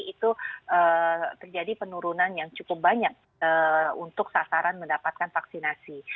itu terjadi penurunan yang cukup banyak untuk sasaran mendapatkan vaksinasi